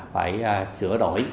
phải sửa đổi